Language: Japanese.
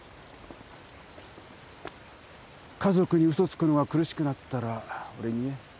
家族に嘘つくのが苦しくなったら俺に言え。